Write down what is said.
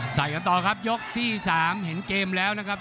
ใส่กันต่อครับยกที่๓เห็นเกมแล้วนะครับ